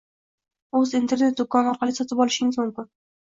uz internet -do'koni orqali sotib olishingiz mumkin